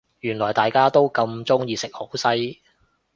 原來大家都咁鍾意食好西